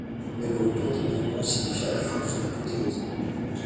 Mais le retour des Bourbons signifia la fin de son apothéose.